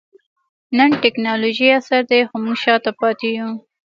نن د ټکنالوجۍ عصر دئ؛ خو موږ شاته پاته يو.